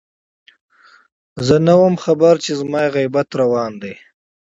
زه نه وم خبر چې زما غيبت روان دی